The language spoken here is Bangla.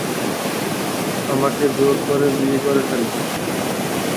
আমাকে জোর করে বিয়ে করে ফেলে।